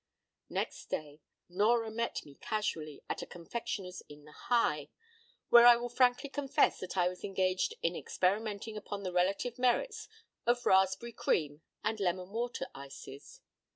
p> Next day, Nora met me casually at a confectioner's in the High, where I will frankly confess that I was engaged in experimenting upon the relative merits of raspberry cream and lemon water ices.